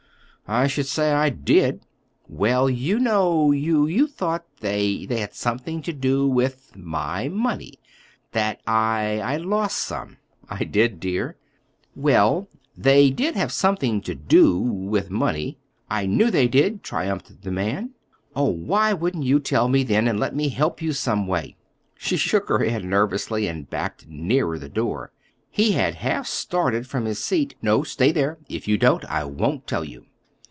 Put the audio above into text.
"I should say I did!" "Well; you know you—you thought they—they had something to do with—my money; that I—I'd lost some." "I did, dear." "Well, they—they did have something to do—with money." "I knew they did!" triumphed the man. "Oh, why wouldn't you tell me then—and let me help you some way?" She shook her head nervously and backed nearer the door. He had half started from his seat. "No, stay there. If you don't—I won't tell you."